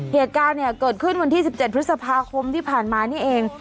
เหตุการณ์เนี่ยเกิดขึ้นวันที่๑๗พฤษภาคมที่ผ่านมานี่เอง